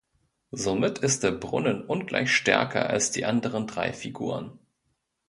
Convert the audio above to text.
Somit ist der Brunnen ungleich stärker als die anderen drei Figuren.